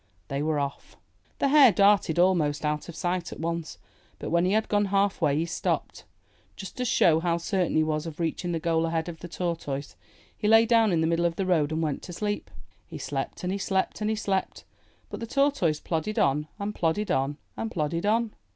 They were off! The Hare darted almost out of sight at once, but when he had gone half way, he stopped. Just to show how certain he was of reaching the goal ahead of the Tortoise, he lay down in the middle of the road and went to sleep. He slept and he slept and he slept, but the Tortoise plodded on and plodded on and plodded on.